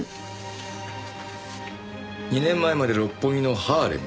２年前まで六本木のハーレム。